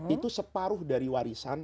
itu separuh dari warisan